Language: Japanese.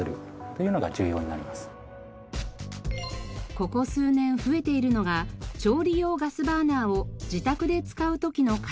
ここ数年増えているのが調理用ガスバーナーを自宅で使う時の火災です。